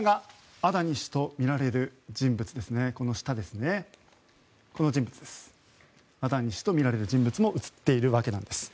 アダニ氏とみられる人物も写っているわけなんです。